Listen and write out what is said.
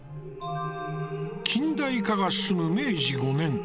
近代化が進む、明治５年。